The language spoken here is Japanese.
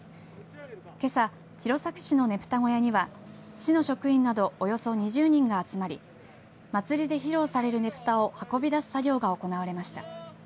けさ弘前市のねぷた小屋には市の職員などおよそ２０人が集まり祭りで披露されるねぷたを運び出す作業が行われました。